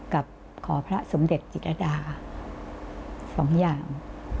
กับขอพระสมเด็จจิตรดาสองอย่าง